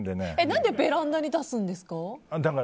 何でベランダに出すんですか？